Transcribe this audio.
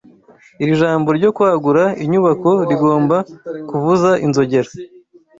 iri jambo ryo kwagura inyubako rigomba kuvuza inzogera